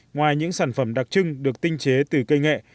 ngoài những sản phẩm đặc trưng được tinh chế từ cây nghệ